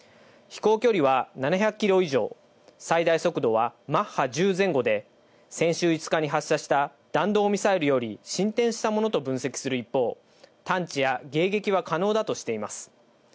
飛行距離は７００キロ以上、最大速度はマッハ１０前後で、先週５日に発射した弾道ミサイルより進展したものと分析する一方、探知や迎撃は可能だとしています。